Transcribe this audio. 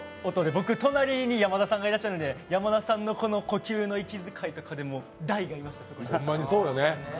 僕、隣に山田さんがいらっしゃるんで山田さんの呼吸の息づかいとかで大が見えましたね。